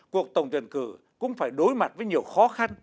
cuộc tổng tuyển cử cũng phải đối mặt với nhiều khó khăn